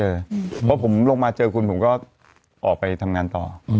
เพราะผมลงมาเจอคุณผมก็ออกไปทำงานต่อ